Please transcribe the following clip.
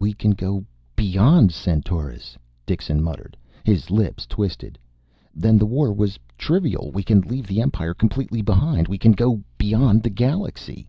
"We can go beyond Centaurus," Dixon muttered. His lips twisted. "Then the war was trivial. We can leave the Empire completely behind. We can go beyond the galaxy."